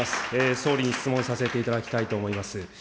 総理に質問させていただきたいと思います。